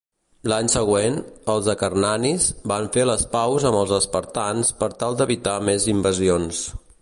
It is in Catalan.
L'any següent, els acarnanis van fer les paus amb els espartans per tal d'evitar més invasions.